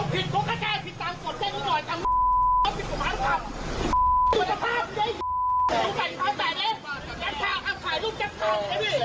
เขาผิดก็แก้ผิดตามส่วนเจ็ดอีกหน่อยจำผิดส่วนห้าส่วน